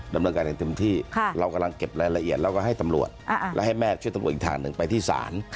เรากำลังเก็บรายละเอียดแล้วก็ให้ตำรวจแล้วให้แม่ช่วยตำรวจอีกทางหนึ่งไปที่ศาล